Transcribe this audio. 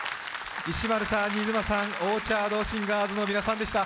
石丸さん、新妻さん、オーチャードシンガーズの皆さんでした。